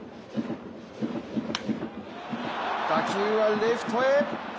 打球はレフトへ。